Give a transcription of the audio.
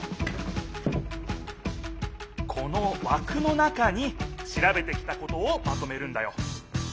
このわくの中にしらべてきたことをまとめるんだよ。